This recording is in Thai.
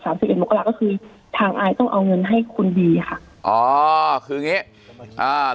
กันหลังจาก๓๑มกราคมก็คือทางอายต้องเอาเงินให้คุณดีค่ะอ๋อคือเงี้ย